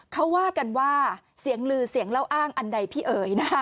เขาว่ากันว่าเสียงลือเสียงเล่าอ้างอันใดพี่เอ๋ยนะ